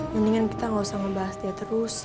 mendingan kita gak usah ngebahas dia terus